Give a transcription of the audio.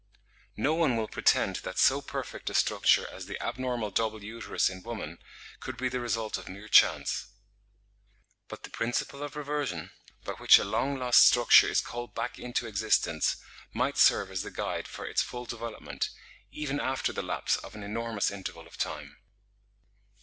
No one will pretend that so perfect a structure as the abnormal double uterus in woman could be the result of mere chance. But the principle of reversion, by which a long lost structure is called back into existence, might serve as the guide for its full development, even after the lapse of an enormous interval of time.